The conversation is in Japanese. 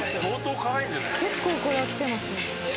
結構これはきてますね。